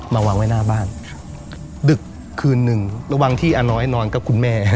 วางไว้หน้าบ้านดึกคืนหนึ่งระหว่างที่อาน้อยนอนกับคุณแม่